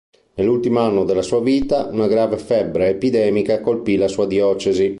Nell'ultimo anno della sua vita una grave febbre epidemica colpì la sua diocesi.